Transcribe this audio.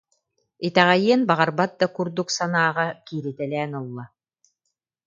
Итэҕэйиэн баҕарбат да курдук санааҕа кииритэлээн ылла